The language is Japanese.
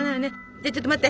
じゃちょっと待って。